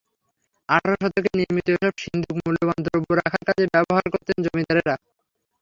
আঠারো শতকে নির্মিত এসব সিন্দুক মূল্যবান দ্রব্য রাখার কাজে ব্যবহার করতেন জমিদারেরা।